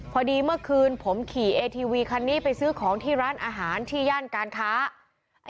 พอดีเมื่อคืนผมขี่เอทีวีคันนี้ไปซื้อของที่ร้านอาหารที่ย่านการค้า